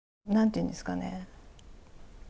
言うんですかね。